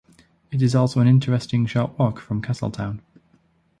It is also an interesting short walk from Castletown.